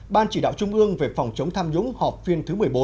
ban chỉ đạo trung ương về phòng chống tham nhũng họp phiên thứ một mươi bốn